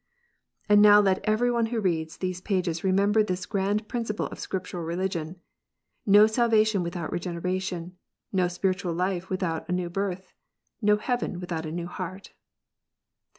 And now let every one who reads these pages remember this grand principle of Scriptural religion: "No salvation without I Regeneration, no spiritual life without a new birth, no) heaven without a new heart."